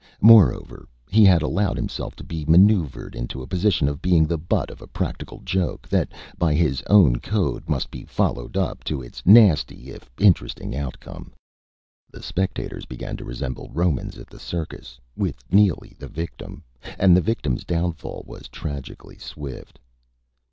Moreover, he had allowed himself to be maneuvered into the position of being the butt of a practical joke, that, by his own code, must be followed up, to its nasty, if interesting, outcome. The spectators began to resemble Romans at the circus, with Neely the victim. And the victim's downfall was tragically swift.